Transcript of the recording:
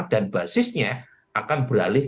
dan basisnya akan beralih